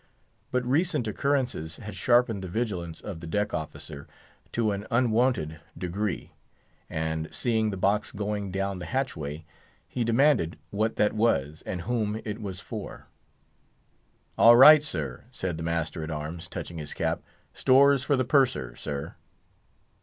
But recent occurrences had sharpened the vigilance of the deck officer to an unwonted degree, and seeing the box going down the hatchway, he demanded what that was, and whom it was for. "All right, sir," said the master at arms, touching his cap; "stores for the Purser, sir."